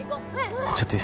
はい。